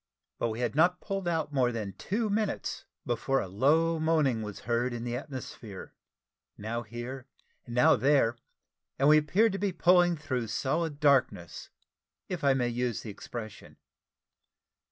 But we had not pulled out more than two minutes, before a low moaning was heard in the atmosphere now here, now there and we appeared to be pulling though solid darkness, if I may use the expression.